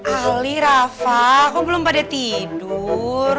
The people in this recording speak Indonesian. ali rafa aku belum pada tidur